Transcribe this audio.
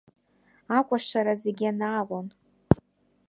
Акәашара зегь анаалон…